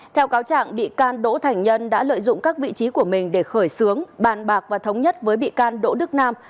theo cáo trạng bị can đỗ thành nhân đã lợi dụng các vị trí của mình để khởi xướng bàn bạc và thống nhất với bị can đỗ đức nam